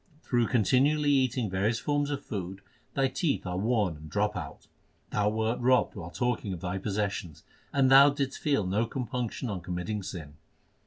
Through continually eating various forms of food thy teeth are worn and drop out. Thou wert robbed while talking of thy possessions, and thou didst feel no compunction on committing sin.